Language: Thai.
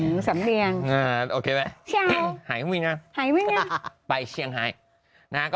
อือสัมเวียงโอเคไหมไฮฮุยน่ะไปเชียงไฮนะ